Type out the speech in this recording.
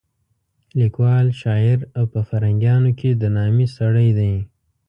لیکوال، شاعر او په فرهنګیانو کې د نامې سړی دی.